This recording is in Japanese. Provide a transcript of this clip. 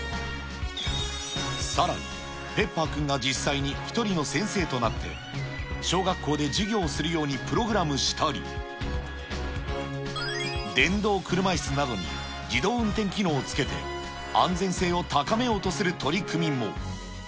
さらに、ペッパーくんが実際に１人の先生となって、小学校で授業をするようにプログラムしたり、電動車いすなどに自動運転機能をつけて、安全性を高めようとする取り組みも。